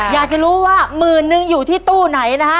อยากจะรู้ว่าหมื่นนึงอยู่ที่ตู้ไหนนะฮะ